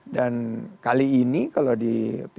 dan kali ini kalau di pilpres kali ini di dki